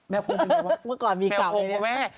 แมวโพงคือไงวะแมวโพงคือไงวะ